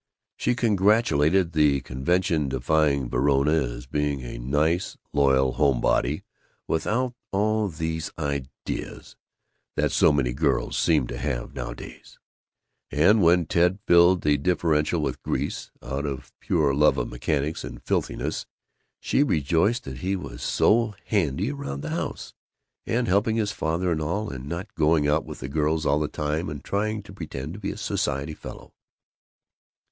She congratulated the convention defying Verona on being a "nice, loyal home body without all these Ideas that so many girls seem to have nowadays;" and when Ted filled the differential with grease, out of pure love of mechanics and filthiness, she rejoiced that he was "so handy around the house and helping his father and all, and not going out with the girls all the time and trying to pretend he was a society fellow."